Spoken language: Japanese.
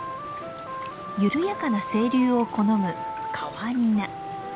緩やかな清流を好むカワニナ。